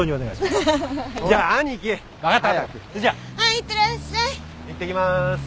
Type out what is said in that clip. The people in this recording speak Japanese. いってきます。